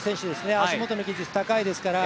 足元の技術高いですから。